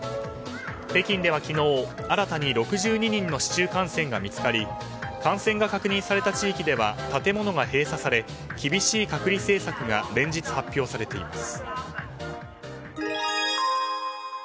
北京では昨日新たに６２人の市中感染が見つかり感染が確認された地域では建物が閉鎖され時刻は午後４時５９分です。